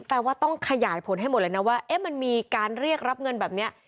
แปลว่าต้องขยายผลให้หมดเลยนะว่ามันมีการเรียกรับเงินแบบนี้